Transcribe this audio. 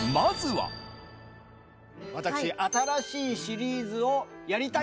私新しいシリーズをやりたいと！